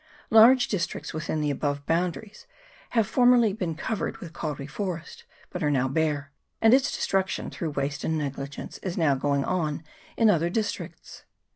Large districts within the above mentioned boundaries have formerly been covered with kauri forest, but are now bare ; and its destruc tion, through waste and negligence, is now going on in other districts.